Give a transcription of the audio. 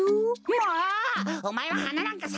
もうおまえははななんかさかせないでいい！